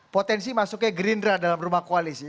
potensi masuknya gerindra dalam rumah koalisi